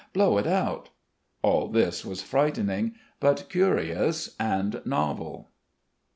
Blow it out!" All this was frightening, but curious and novel.